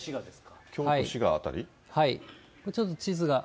京都、ちょっと地図が。